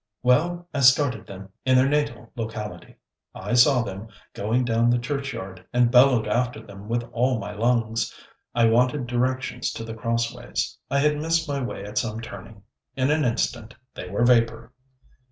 'Well, I started them in their natal locality. I saw them, going down the churchyard, and bellowed after them with all my lungs. I wanted directions to The Crossways; I had missed my way at some turning. In an instant they were vapour.'